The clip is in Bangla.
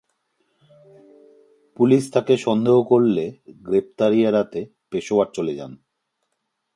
পুলিশ তাকে সন্দেহ করলে গ্রেপ্তারি এড়াতে পেশোয়ার চলে যান।